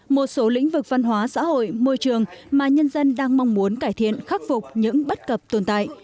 một số lĩnh vực văn hóa xã hội môi trường mà nhân dân đang mong muốn cải thiện khắc phục những bất cập tồn tại